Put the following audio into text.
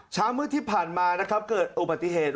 เช้ามืดที่ผ่านมานะครับเกิดอุบัติเหตุ